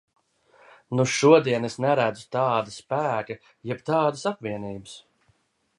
Nu, šodien es neredzu tāda spēka jeb tādas apvienības.